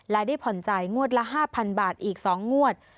และได้ผ่อนจ่ายงวดละ๕๐๐๐บาทอีก๒งวด